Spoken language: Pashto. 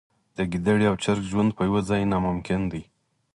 د ګیدړې او چرګ ژوند په یوه ځای ناممکن دی.